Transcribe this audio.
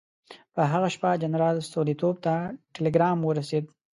په هغه شپه جنرال ستولیتوف ته ټلګرام ورسېد.